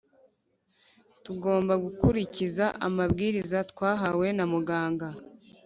tugomba gukurikiza amabwiraza twahawe namuganga